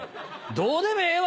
どうでもええわ！